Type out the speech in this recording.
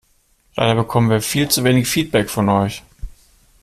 Leider bekommen wir viel zu wenig Feedback von euch.